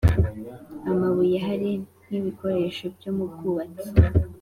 amabuye Hari nkibikoresho byo mu bwubatsiko